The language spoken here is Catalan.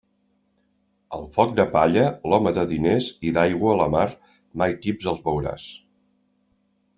El foc de palla, l'home de diners i d'aigua la mar, mai tips els veuràs.